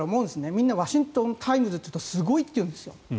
みんなワシントン・タイムズっていうとすごいっていうんですよ。